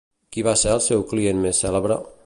Qui va ser el seu client més cèlebre?